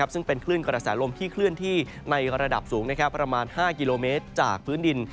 ซึ่งเป็นคลื่นกระแสลมที่เคลื่อนที่ในระดับสูงประมาณ๕กิโลเมตรจากพื้นดิน